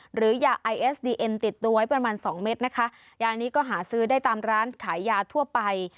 หรือยาไอเอสดีเอ็นติดตัวไว้ประมาณสองเม็ดนะคะยานี้ก็หาซื้อได้ตามร้านขายยาทั่วไป